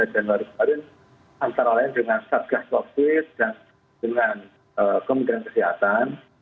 jadi sesuai dengan rapat kami tanggal tiga januari kemarin antara lain dengan satgas lofit dan dengan kementerian kesehatan